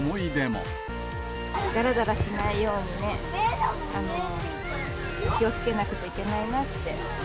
だらだらしないようにね、気をつけなくちゃいけないなって。